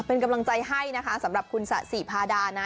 เป็นกำลังใจให้นะคะสำหรับคุณสะสีพาดานะ